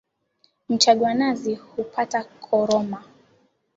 Mchagua nazi hupata koroma